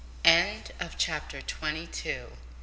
CHAPTER TWENTY TWO.